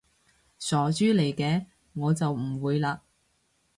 傻豬嚟嘅，我就唔會嘞